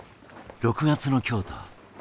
６月の京都。